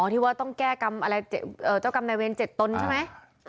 ที่ว่าต้องแก้กรรมอะไรเจ้ากรรมนายเวร๗ตนใช่ไหม